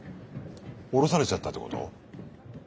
降ろされちゃったってこと？